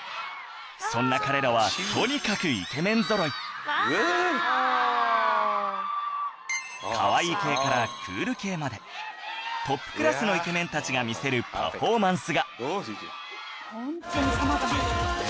そんな彼らはとにかくイケメンぞろいかわいい系からクール系までトップクラスのイケメンたちが見せるパフォーマンスが